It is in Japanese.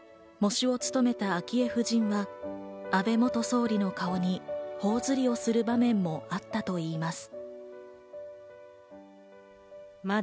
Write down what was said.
喪主を務めた昭恵夫人は安倍元総理の顔にほおずりをする場面もあったといいます。